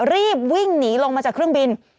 รีบวิ่งหนีลงมาจากเครื่องบิน